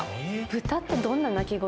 ブタってどんな鳴き声？